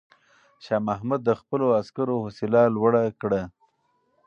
شاه محمود د خپلو عسکرو حوصله لوړه کړه.